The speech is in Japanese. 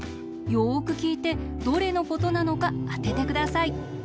よくきいてどれのことなのかあててください。